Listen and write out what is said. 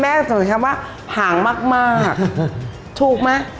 แม่สนุกคำว่าหางมากถูกมั้ย